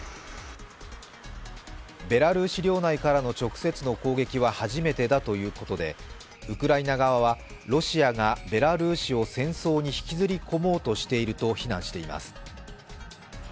ベラルーシ領内の直接の攻撃は初めてだということでウクライナ側はロシアがベラルーシを戦争に引きずり込もうとしていると非難しています。